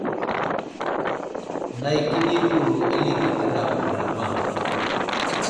Nay kəni nəwuro alige tera bəlama.